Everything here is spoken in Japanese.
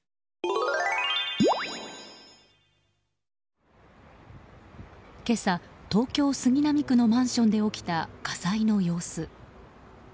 今朝、東京・杉並区のマンションで起きた火災の様子。